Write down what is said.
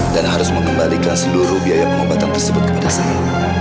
dan harus mengembalikan seluruh biaya pengobatan tersebut kepada saya